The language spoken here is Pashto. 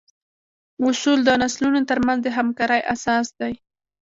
اصول د نسلونو تر منځ د همکارۍ اساس دي.